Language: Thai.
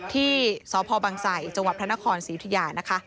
ที่สพบังสัยจพศิษยา